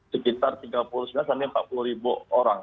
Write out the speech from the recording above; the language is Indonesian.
sekitar tiga puluh sembilan sampai empat puluh ribu orang